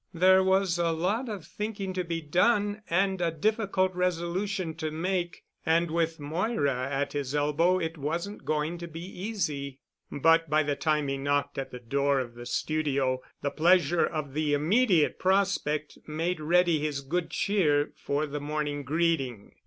There was a lot of thinking to be done and a difficult resolution to make, and with Moira at his elbow it wasn't going to be easy. But by the time he knocked at the door of the studio, the pleasure of the immediate prospect made ready his good cheer for the morning greeting.